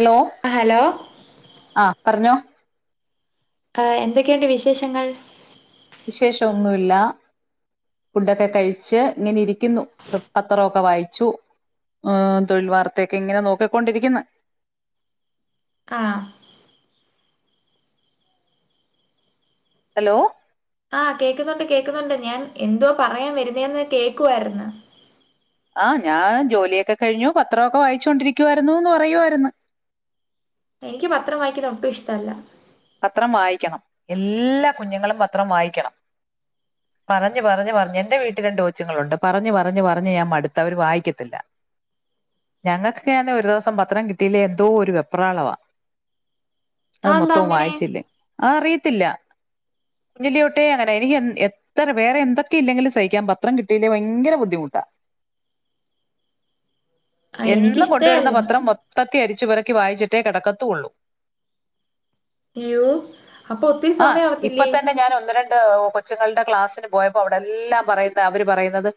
Hello hello ആ പറഞ്ഞോ ആ എന്തൊക്കെയുണ്ട് വിശേഷങ്ങൾ വിശേഷന്നുമില്ല ഫുടൊക്കെ കഴിച്ച് ഇങ്ങനെ ഇരിക്കുന്നു പത്രമൊക്കെ വായിച്ചു ഏ തൊഴിൽ വാർത്തൊക്കെ ഇങ്ങനെ നോക്കിക്കൊണ്ടിരിക്കുന്നു ആ ഹലോ ആ കേക്കുന്നുണ്ട് കേക്കുന്നുണ്ട് ഞാൻ എന്തുവാ പറയാൻ വരുന്നേന്ന് കേക്കുവായിര്ന്ന് ആ ഞാൻ ജോലിയൊക്കെ കഴിഞ്ഞു പത്രഒക്കെ വായിച്ചൊണ്ടിരിക്കുവായിരുന്നുന്ന് പറയുവായിരുന്ന് എനിക്ക് ഈ പത്രം വായിക്കുന്നെ ഒട്ടും ഇഷ്ട്ടഅല്ല പത്രം വായിക്കണം എല്ലാ കുഞ്ഞുങ്ങളും പത്രം വായിക്കണം പറഞ്ഞ് പറഞ്ഞ് പറഞ്ഞ് എന്റെ വീട്ടിൽ രണ്ട് കൊച്ചുങ്ങളുണ്ട് പറഞ്ഞ് പറഞ്ഞ് പറഞ്ഞ് ഞാൻ മടുത്ത് അവര് വായിക്കത്തില്ല ഞങ്ങൾക്കൊക്കെയാന്നെൽ ഒരു ദിവസം പത്രം കിട്ടിയില്ലേ എന്തോ ഒരു വെപ്രാളവാ അത് ആന്താ മൊത്തവും വായിച്ചില്ലേ ആർ റിയത്തില്ല കുഞ്ഞിലിയോട്ടെ അങ്ങന എനിക്ക് എൻ എത്ര വേറെ എന്തൊക്കെ ഇല്ലെങ്കിലും സഹിക്ക്യം പത്രം കിട്ടിയില്ലേ ഭയങ്കര ബുദ്ധിമുട്ടാ ആഹ് എന്നും എനിക്കിഷ്ടേ കൊണ്ടുവരുന്ന അല്ല പത്രം മൊത്ത ക്കെ അരിച്ചുപെറക്കി വായിച്ചിട്ടേ കെടക്കത്ത് ഉള്ളൂ യ്യോ അപ്പം ഒത്തിരി സമയം ആവത്തില്ലേ ഹേ കൊച്ചുങ്ങളുടെ ക്ലാസ്സിന് പോയപ്പോ അവിടെ എല്ലാം പറയുന്നെ അവര് പറയുന്നത്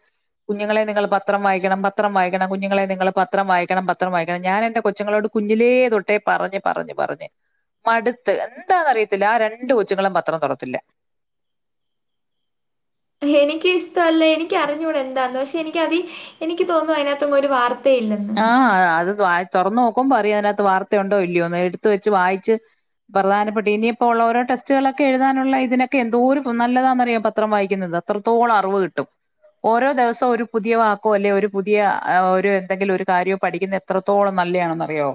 കുഞ്ഞുങ്ങളെ നിങ്ങൾ പത്രം വായിക്കണം പത്രം വായിക്കണം കുഞ്ഞുങ്ങളെ നിങ്ങൾ പത്രം വായിക്കണം പത്രം വായിക്കണം ഞാൻ എന്റെ കൊച്ചുങ്ങളോട് കുഞ്ഞിലേ തൊട്ടേ പറഞ്ഞ് പറഞ്ഞ് പറഞ്ഞ് മടുത്ത് എന്താന്നറിയത്തില്ല ആ രണ്ട് കൊച്ചുങ്ങളും പത്രം തൊടത്തില്ല എനിക്ക് ഇഷ്ടല്ല എനിക്ക് അറിഞ്ഞുട എന്താന്ന് പക്ഷെ എനിക്കതി എനിക്ക് തോന്നുന്നു അയിനത്ത്ഒന്നും ഒരു വാർ ആ അത് [unintelligible] തോറന്ന് നോക്കുമ്പം അറിയ അതിനകത്ത് വാർത്തയുണ്ടോ ഇല്ല്യോയോന്ന് എടുത്ത് വച്ച് വായിച്ച് പ്രധാനപ്പെട്ട് ഇനിയിപ്പോ ഉള്ള ഓരോ ടെസ്റ്റുകളൊക്കെ എഴുതാനുള്ള ഇതിനൊക്കെ എന്തോരം നല്ലതാന്നറിയോ പത്രം വായിക്കുന്നത് അത്രത്തോളം അറിവ് കിട്ടും ഓരോ ദിവസം ഒരു പുതിയ വാക്കോ അല്ലെ ഒരു പുതിയ അ ഒരു എന്തെങ്കിലും ഒരു കാര്യം പഠിക്കിന്നെ എത്രത്തോളം നല്ലെയാണന്നറിയോ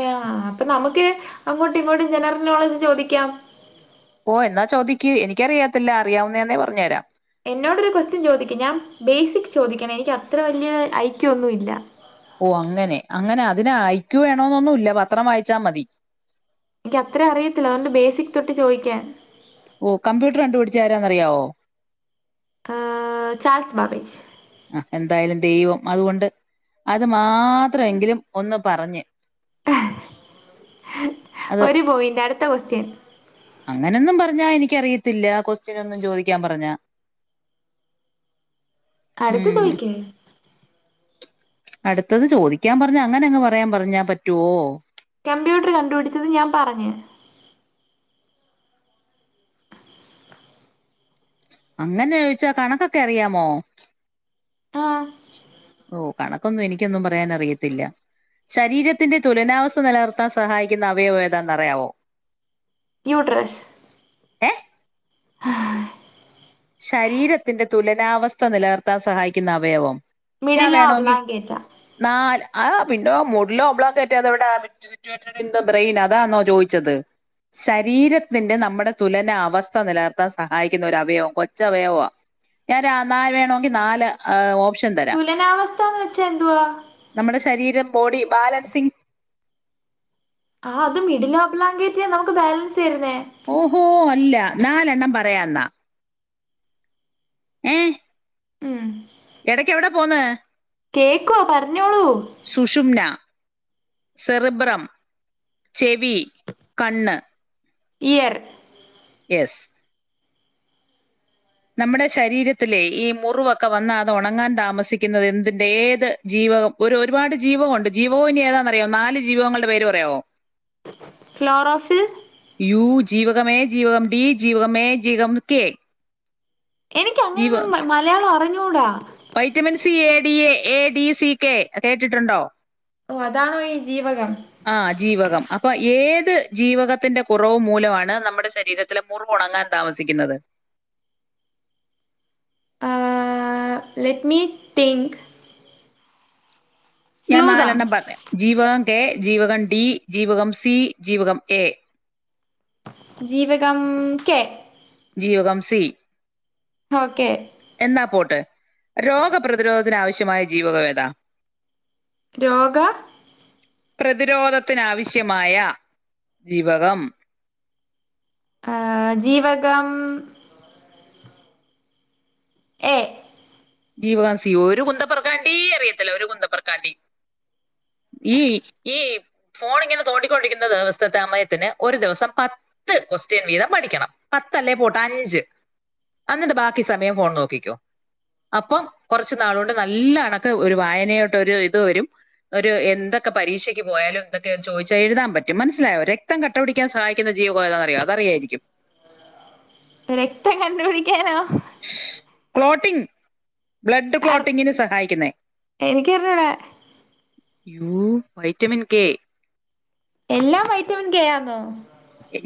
എ ആ അ അ അപ്പൊ നമുക്ക് അങ്ങോട്ട് ഇങ്ങോട്ടും ജനറൽ നോളജ് ചോദിക്കാം ഓ എന്നാ ചോദിക്കി എനിക്കറിയാത്തില്ല അറിയാവുന്നെആന്നെ പറഞ്ഞ്തരാം എന്നോടൊരു ക്വസ്റ്റ്യൻ ചോദിക്കി ഞാൻ ബേസിക് ചോദിക്കണേ എനിക്ക് അത്ര വലിയ ഐക്യു ഒന്നുഇല്ല ഓ അങ്ങനെ അങ്ങനെ അതിന് ഐക്യു വേണോന്നൊന്നും ഇല്ല പത്രം വായിച്ചാ മതി എനിക്ക് അത്രേ അറിയത്തില്ല അതുകൊണ്ട് ബേസിക് തൊട്ട് ചോദിക്കാൻ ഓ കമ്പ്യൂട്ടർ കണ്ടു പിടിച്ചേ ആരാന്ന്അറിയാവോ ആ ചാൾസ് ബാബേജ് ആ എന്തായാലും ദൈവം അതുകൊണ്ട് അത് മാത്രം എങ്കിലും ഒന്ന് പറഞ്ഞ് അത് ഒരു പോയിന്റ് അടുത്ത ക്വസ്റ്റ്യൻ അങ്ങനൊന്നും പറഞ്ഞാ എനിക്കറിയത്തില്ല ക്വസ്റ്റ്യൻ ഒന്നും ചോദിക്കാൻ പറഞ്ഞ അടുത്തെ ചോദിക്ക് അടുത്തത് ചോദിക്കാൻ പറഞ്ഞ് അങ്ങനെ അങ്ങ് പറയാൻ പറഞ്ഞാ പറ്റുവോ കമ്പ്യൂട്ട്ർ കണ്ടുപിടിച്ചത് ഞാൻ പറഞ്ഞ് അങ്ങനെ ചോയിച്ച കണക്കൊക്കെ അറിയാമോ ആഹ് ഓ കണ കൊന്നും എനിക്കൊന്നും പറയാൻ അറിയത്തില്ല ശരീരത്തിന്റെ തുലനാവസ്ഥ നിലനിർത്താൻ സഹായിക്കുന്ന അവയവം ഏതാന്ന് അറയാവോ യൂട്ട്രസ് ഏ ശരീരത്തിന്റെ തുലനാവസ്ഥ നിലർത്താൻ സഹായിക്കുന്ന അവയവം ഞാൻ മിഡില വേണെങ്കിൽ ഒബ്ലാങ്കേറ്റ നാല് ആ അ പിന്നോ മുഡിലോഒബ്ലോംഗെറ്റ ആന്നോ ഇവടെ ന്തോ ബ്രെയിൻ അതാന്നോ ചോദിച്ചത് ശരീരത്തിന്റെ നമ്മുടെ തുലന അവസ്ഥ നിലനിർത്താൻ സഹായിക്കുന്ന ഒരു അവയവം പോ ഞ്ച് അവയവവ നാല് വേണെങ്കിൽ നാല് ഹ് ഓപ് തുലനാവസ്ഥന്ന് വെച്ചാ എന്തുവാ നമ്മുടെ ശരീരം ബോഡി ബാലൻസിംഗ് ആ അത് മെഡുള്ള ഓബ്ലോംഗട്ട നമുക്ക് ബാലൻസ് തരുന്നേ ഓഹോ അല്ല നാലെണ്ണം പറയ എന്ന ഏ ഉം ഇടയ്ക്കെവിടെ പോന്ന് കേക്കുവാ പറഞ്ഞോളൂ സുഷുംന സെറിബ്രം ചെവി കണ്ണ് ഇയർ യെസ് നമ്മടെ ശരീരത്തിലെ ഈ മുറിവൊക്കെ വന്ന അത് ഉണങ്ങാൻ താമസിക്കുന്നത് എന്തിൻ്റെ ഏത് ജീവകം ഒരു ഒരുപാട് ജീവകമുണ്ട് ജീവകവും ഇനി ഏതാന്നറിയോ നാല് ജീവകങ്ങളുടെ പേര് പറയാവോ ക്ലോറോഫിൽ ജീവകം എ ജീവകം ഡി ജീവകം എ ജീവകം കെ എനിക്ക് ജീവ അങ്ങനെന്നും മലയാളം അറിഞ്ഞ ഞ്ഞൂട vitamin C A D A A D C K കേട്ടിട്ടുണ്ടോ ഓ അതാണോ ഈ ജീവകം ആ ജീവകം അപ്പൊ ഏത് ജീവകത്തിന്റെ കുറവ് മൂലമാണ് നമ്മടെ ശരീരത്തിലെ മുറിവു ഉണങ്ങാൻ താമസിക്കുന്നത് ആ ലെറ്റ് മി തിങ്ക് ഞാൻ ക്ലൂതാ നാലെണ്ണം പറഞ്ഞയാം ജീവകം കെ ജീവകം ഡി ജീവകം സി ജീവകം എ ജീവകം കെ ജീവകം സി ഓക്കെ എന്ന പോട്ടെ രോഗപ്രതിരോധത്തിന് ആവശ്യമായ ജീവകം ഏതാ? രോഗ പ്രതിരോധത്തിനാവശ്യമായ ജീവകം ആ ജീവകം എ ജീവകം സി ഒരു കുന്തപ്പറക്കാണ്ടി അറിയത്തില്ല ഒരു കുന്തപറക്കാണ്ടി ഈ ഈ ഫോൺ ഇങ്ങനെ തോണ്ടിക്കൊണ്ടിരിക്കുന്നത് [unintelligible] സമയത്തിന് ഒരു ദിവസം പത്ത് ക്വസ്റ്റ്യൻ വീതം പഠിക്കണം പത്തല്ലേ പോട്ടെ അഞ്ച് അന്നിട്ട് ബാക്കി സമയം ഫോൺ നോക്കിക്കോ അപ്പം കുറച്ചു നാളുകൾ കൊണ്ട് നല്ല അണക്ക് ഒരു വായനയോട്ട് ഒരു ഇത് വരും ഒരു എന്തൊക്കെ പരീക്ഷക്ക് പോയാലും എന്തൊക്കെ ചോദിച്ചാൽ എഴുതാൻ പറ്റും മനസ്സിലായോ. രക്തം കട്ടപിടിക്കാൻ സഹായിക്കുന്ന ജീവകം എതാണ് അറിയോ അതറിയായിരിക്കും രക്തം കണ്ടുപിടിക്കാനോ ക്ലോട്ടിംഗ് ബ്ലഡ് അർ ക്ലോട്ടിങ്ങിന് സഹായിക്കുനേ എനിക്കറിഞ്ഞൂടാ യു വൈറ്റമിൻ കെ എല്ലാം വൈറ്റമിൻ ക ആന്നോ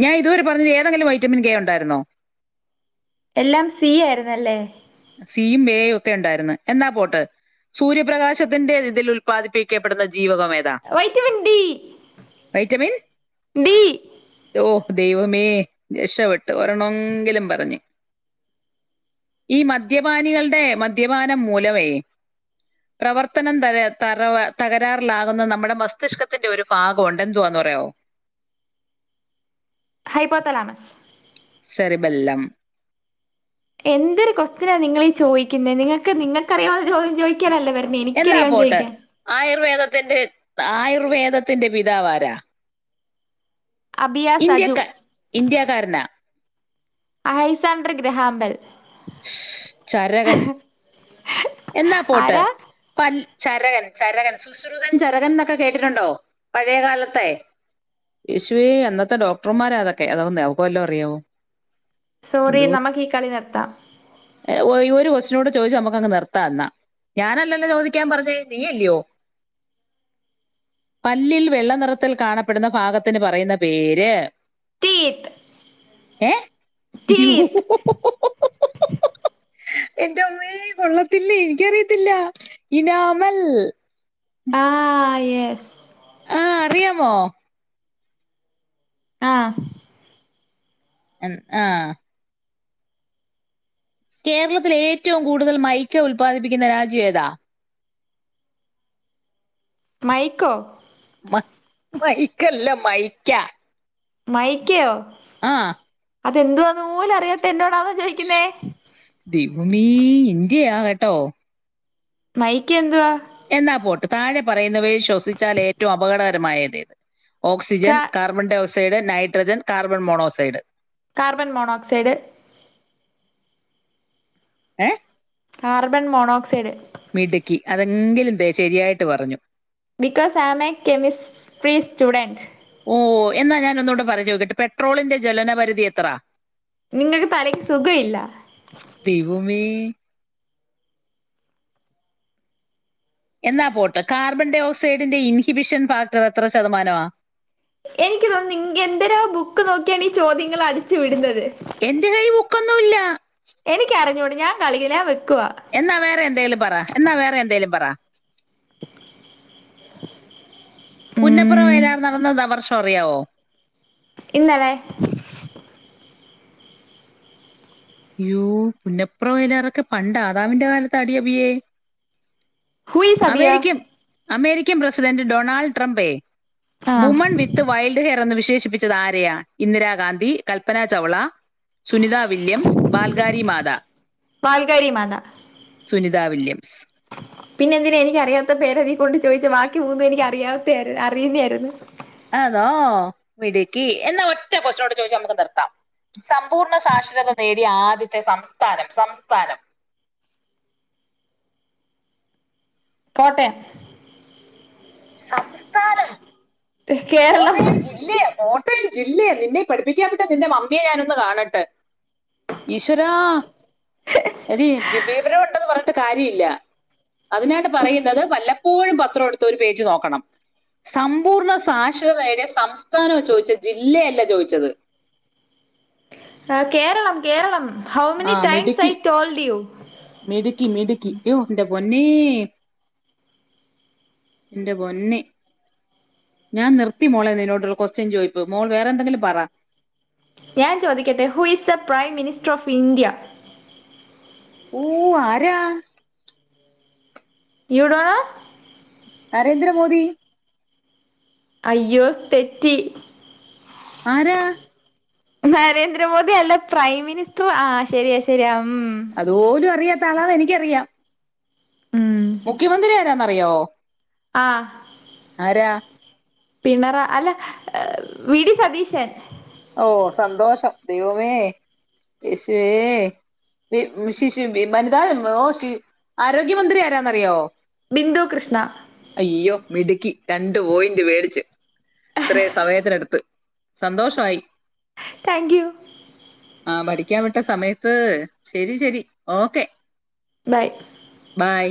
ഞാൻ ഇതുവരെ പറഞ്ഞത് ഏതെങ്കിലും വൈറ്റമിൻ കെ ഉണ്ടായിരുന്നോ എല്ലാം സി ആയിരുന്നല്ലേ സി യും എ യും ഒക്കെ ഉണ്ടായിരുന്നു. എന്നാ പോട്ട്, സൂര്യപ്രകാശത്തിന്റെ ഇതിൽ ഉല്പാദിപ്പിക്കപ്പെടുന്ന വൈറ്റമിൻ ഡി വൈറ്റമിൻ ഡി ഓ ദൈവമേ രക്ഷപ്പെട്ട് ഒരണോങ്കിലും പറഞ്ഞ് ഈ മദ്യപാനികളുടെ മദ്യപാനം മൂലമേ പ്രവർത്തനം തര തരവ തകരാറിലാകുന്ന നമ്മുടെ മസ്തിഷ്കത്തിന്റെ ഒരു ഭാഗംമുണ്ട് എന്തുവാന്ന്പറയാമോ? ഹൈപോത്തലമസ് സെറിബെല്ലം എന്തൊരു കൊസ്റ്റ്യനാ നിങ്ങളീ ചോദിക്കുന്നത് നിങ്ങൾക്ക് നിങ്ങൾക് അറിയാവുന്ന ചോദ്യം ചോദ എന്നാ പോട്ടെ ആയുർവേദത്തിന്റെ ആയുർ വേദത്തിന്റെ പിതാവാരാ? അബിയ സജു ഇന്ത്യക്ക ഇന്ത്യക്കാരനാ അയ്യ് സാൻഡ്രിക് ഗ്രഹാമ്പൽ ചരകൻ എന്നാ പോട്ടെ ആരാ പൽ ചരകൻ ചരകൻ ശുശ്രുതൻ ചരകൻ എന്നൊക്കെ കേട്ടിട്ടുണ്ടോ? പഴയകാലത്തെ യേശുവേ അന്നത്തെ ഡോക്ടർമാര് അതൊക്കെ അവൾക്ക് വല്ലതു അറിയാവോ സോറി എന്തോ നമുക്ക് ഈ കളി നിർത്താം ഈ ഒരു കൊസ്റ്റിനോട് ചോദിച്ചു നമ്മുക്കങ്ങ്നിർത്താംന്നാ ഞാനല്ലല്ലോ ചോദിക്കാൻ പറഞ്ഞേ നീയല്ലിയോ? പല്ലിൽ വെള്ള നിറത്തിൽ കാണപ്പെടുന്ന ഭാഗത്തിന് പറയുന്ന പേര്? ടീത് എ ഇയ്യോ ഒ ഒ ഓ ഹു ഹു എന്റെ അമ്മേ കൊള്ളത്തില്ലെ എനിക്ക് അറിയില്ലേ ഇനാമൽ ആ യെസ് ആ അറിയാമോ? ആ എന്ന് ആ കേരളത്തിൽ ഏറ്റവും കൂടുതൽ മൈക്ക ഉല്പാദിപ്പിക്കുന്ന രാജ്യം ഏതാ? മൈക്കോ മ മൈക്കല്ല മൈക്കാ മൈക്കയോ ആ അത് എന്തു ആണെന്ന് പോലും അറിയാത്ത എന്ന എന്നോടാന്നോ ചോദിക്കുന്നേ മമ്മി ഇന്ത്യ ആ കേട്ടോ മൈക്ക എന്തുവാ? എന്നാ പോട്ട് താഴെ പറയുന്നവയിൽ ശ്വസിച്ചാൽ ഏറ്റവും അപകടകരമായത് ഏത് ഓക്സിജൻ, കാ carbon -dioxide, nitrogen, carbon monoxide carbon monoxide എ കാർബൺ മോണോക്സൈഡ് മിടുക്കി അതേ ഒന്ന് എങ്കിലും ശരിയായിട്ട് പറഞ്ഞു because I am a chemistry student ട്ട് പെട്രോളിന്റെ ജലനപരിധി എത്രാ? നിങ്ങൾക്ക് തലക്ക് സുഖം ഇല്ല ദൈവമേ എന്നാ പോട്ട് കാർബൺ ഡൈ ഓക്സൈഡിന്റെ ഇൻഹിബിഷൻ ഫാക്ടർ എത്ര ശതമാനമാ? എനിക്ക് തോന്നി നിങ് എന്തേരാ ബുക്ക് നോക്കിയാണ് ഈ ചോദ്യങ്ങൾ അടിച്ചു വിടുന്നത് എൻ്റെ കൈ ബുക്കൊന്നും ക്കോന്നും ഇല്ല എനിക്ക് അറിഞ്ഞൂടി ഞാൻ കളികില എന്നാ വേറെ എന്തേലും പറ എന്നാ വേറെ എന്തേലും പറ [inaudible] പുന്നപ്ര ഉം വയലാർ നടന്നത് ദി വർഷ അറിയാവോ? ഇന്നലെ അയ്യോ പുന്നപ്ര വയലാറൊക്കെ പണ്ട് ആദാമിന്റെ കാലത്താടി അഭിയേ ഹൂ ഈസ്‌ അബിയ അമേരിക്കൻ പ്രസിഡന്റ് ഡൊണാൾഡ്ട്രംപേ ആ വുമൺ വിത്ത് വൈൽഡ് ഹെയർ എന്ന് വിശേഷിപ്പി ച്ചത് ആരെയാ ഇന്ദിരാഗാന്ധി കൽപന ചൗള സുനിത വില്യംസ് പാൽ ങ്കാരി മാതാ വാൽകാരി മാത സുനി സുനിത വില്യം. പിന്നെ എന്തിനാ എനിക്കറിയാത്ത പേരതി കൊണ്ട് ചോദിച്ച ബാക്കി മൂന്നും എനിക്ക് അറിയാത്തെയ അറിയുന്നായിരുന്നു ആന്നോ മിടുക്കി എന്ന ഒറ്റ ക്വാസ്‌റ്റനൂട ചോദിച്ച് നമുക്ക് നിർത്താം. സമ്പൂർണ്ണ സാക്ഷരത നേടിയ ആദ്യത്തെ സംസ്ഥാനം സംസ്ഥാനം കോട്ടയം സംസ്ഥാനം കേരളം കോട്ടയം ജില്ലയ കോട്ടയം ജില്ലയ നിന്നെ പഠിപ്പിക്കാൻ വിട്ട നിന്റെ മമ്മിയെ ഞാനൊന്ന് കാണട്ടെ ഈശ്വരാ എടീ വിവരം ഉണ്ടെന്ന് പറഞ്ഞ ട്ട് കാര്യല്ല അതിനാണ് പറയുന്നത് വല്ലപ്പോഴും പത്രം എടുത്ത് ഒരു പേജ് നോക്കണം സമ്പൂർണ സാ സാക്ഷരത നേടിയ സംസ്ഥാനോ ചോദിച്ച ജില്ലയല്ല ചോദിച്ചത് ആ കേരളം കേരളം ഹൗ ആ മെിനി ടൈംസ് ഐ മിടുക്കി ടോൾഡ് യൂ ക്കി യ്യോ എന്റെ പൊന്നേ എന്റെ പൊന്നെ ഞാൻ നിർത്തി മോളെ നിന്നോടുള്ള ക്വസ്റ്റ്യൻ ചോയിപ്പ് മോൾ വേറെ എന്തെങ്കിലും പറ ഞാൻ ചോദിക്കട്ടെ who is the prime minister of India ഊ ആരാ you don't know? Narendra Modi അയ്യോ തെറ്റി ആരാ? നരേന്ദ്രമോദി അല്ല പ്രൈം മിനിസ്റ്റർ ആ ശരിയ ശരിയാ ഉം അതുപോലും അറിയ ത്തളാന്നെനിക്കറിയാം. ഉം മുഖ്യമന്ത്രിയാരാന്ന റിയാവോ? ആ രാ പിണറ അല്ല വി ഡി സതീശൻ. ഓ സന്തോഷം ദൈവമേ യേശുവേ വി ശിശു വി വനിതാ ഓ ഷി ആരോഗ്യമന്ത്രി ആരാന്നറിയാവൊ ബിന്ദു കൃഷ്ണ അയ്യൊ മിടുക്കി രണ്ട് പോയിന്റ് മേടിച്ചു ഇത്രം സമയത്തിനടുത്ത് സന്തോഷമായി താങ്ക് യൂ ആ പഠിക്കാൻ വിട്ട സമയത്ത് ശരി ശരി ഓക്കെ ബായ് ബൈ.